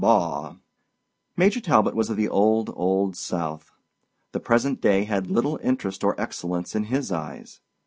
Major Talbot was of the old, old South. The present day had little interest or excellence in his eyes.